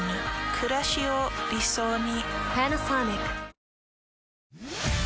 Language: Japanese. くらしを理想に。